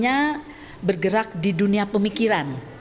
tapi ibu dewi sartika itu langsung di dunia pemikiran